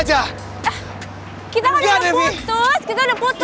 kita udah putus kita udah putus